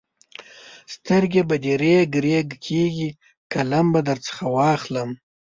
سترګې به دې رېګ رېګ کېږي؛ قلم به درڅخه واخلم.